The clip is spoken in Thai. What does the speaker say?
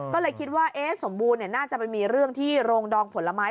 ก็เลยคิดว่าสมบูรณ์น่าจะไปมีเรื่องที่โรงดองผลไม้